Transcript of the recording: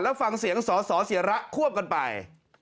แล้วฟังเสียงสอสอเสียระควบกันไป